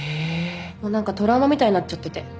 もう何かトラウマみたいになっちゃってて。